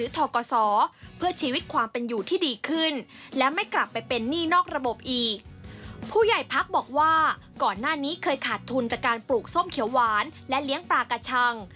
ที่ขาดทุนจากการปลูกส้มเขียวหวานและเลี้ยงปลากระชัง